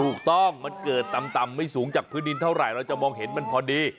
ถูกต้องมันเกิดต่ำไม่สูงจากพื้นดินเท่าไหร่เราจะมองเห็นมันพอดี